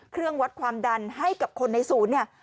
เครื่องวัดความดันให้กับคนในศูนย์เนี่ย